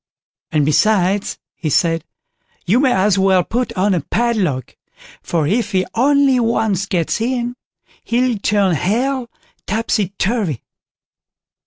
"And, besides", he said, "you may as well put on a padlock, for if he only once gets in, he'll turn Hell topsy turvy!"